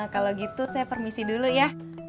kalau gitu saya permisi dulu ya